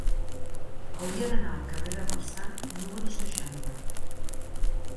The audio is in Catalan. Hauria d'anar al carrer de Marçà número seixanta.